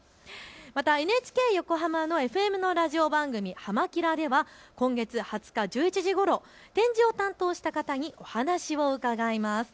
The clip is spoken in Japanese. またＮＨＫ横浜のＦＭのラジオ番組、はま☆キラ！では今月２０日１１時ごろ、展示を担当した方にお話を伺います。